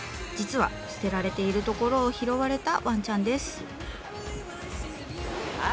実は捨てられているところを拾われたわんちゃんです。